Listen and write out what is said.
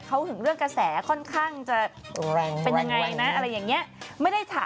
เขาถึงเรื่องกระแสค่อนข้างจะเป็นยังไงนะอะไรอย่างนี้ไม่ได้ถาม